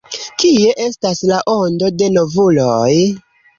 Kie estas la ondo de novuloj?